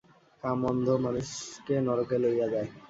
কাম অন্ধ, মানুষকে নরকে লইয়া যায়।